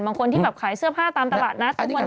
บางคนที่แบบขายเสื้อผ้าตามตลาดนัดทุกวันนี้หยุดหมด